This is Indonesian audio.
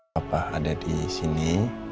papa ada disini